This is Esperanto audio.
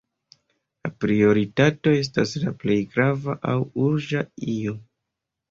La prioritato estas la plej grava aŭ urĝa io.